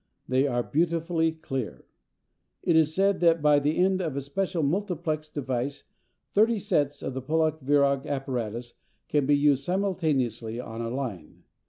They are beautifully clear. It is said that by the aid of a special "multiplex" device thirty sets of Pollak Virag apparatus can be used simultaneously on a line!